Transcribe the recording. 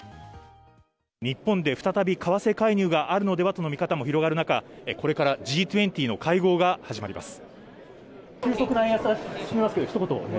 日本で再び為替介入があるのではとの見方も広がるなか、これからＧ２０の会合が始まります。